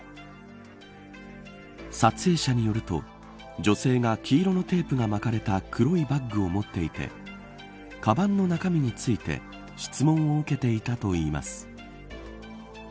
撮影者によると女性が、黄色のテープが巻かれた黒いバッグを持っていてかばんの中身について質問を受けていたといいます。